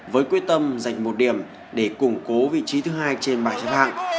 với quyết tâm giành một điểm để củng cố vị trí thứ hai trên bài chất hạng